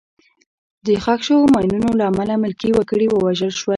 د ښخ شوو ماینونو له امله ملکي وګړي وژل شوي.